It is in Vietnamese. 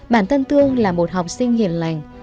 bản thân thương là một học sinh hiền lành